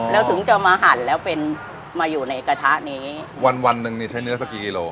แล้วถึงจะมาหั่นแล้วเป็นมาอยู่ในกระทะนี้วันวันหนึ่งนี่ใช้เนื้อสักกี่กิโล